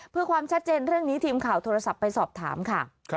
เพื่อความชัดเจนเรื่องนี้ทีมข่าวโทรศัพท์ไปสอบถามค่ะ